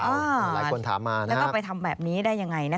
หลายคนถามมาแล้วก็ไปทำแบบนี้ได้อย่างไร